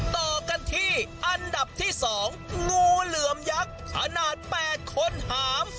ต่อกันที่อันดับที่๒งูเหลือมยักษ์ขนาด๘คนหาม